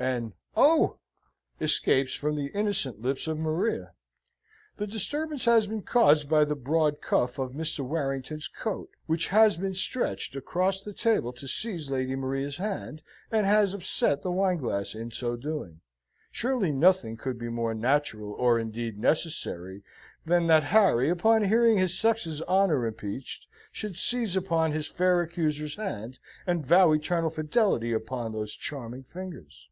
An "Oh!" escapes from the innocent lips of Maria, The disturbance has been caused by the broad cuff of Mr. Warrington's coat, which has been stretched across the table to seize Lady Maria's hand, and has upset the wine glass in so doing. Surely nothing could be more natural, or indeed necessary, than that Harry, upon hearing his sex's honour impeached, should seize upon his fair accuser's hand, and vow eternal fidelity upon those charming fingers?